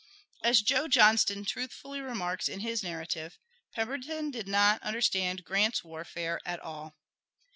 As Joe Johnston truthfully remarks in his Narrative, Pemberton did not understand Grant's warfare at all.